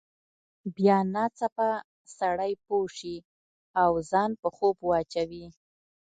بیا ناڅاپه سړی پوه شي او ځان په خوب واچوي.